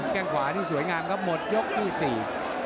แก้งขวานี่สวยงามก็หมดยกที่๔